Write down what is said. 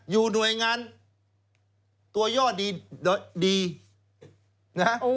อยู่หน่วยงานตัวยอดดีนะ